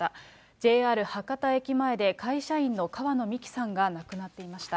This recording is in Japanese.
ＪＲ博多駅前で、会社員の川野美樹さんが亡くなっていました。